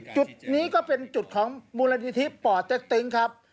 จุดนี้ก็เป็นจุดของมูลนิธิป่อเต็กตึงครับ